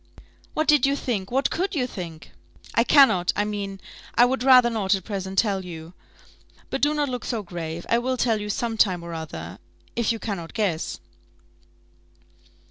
"What did you think? What could you think?" "I cannot I mean, I would rather not at present tell you. But do not look so grave; I will tell you some time or other, if you cannot guess."